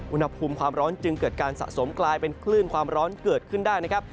อุณหภูมิความร้อนจึงเกิดการสะสมกลายเป็นคลื่นความร้อนเกิดขึ้นได้นะครับ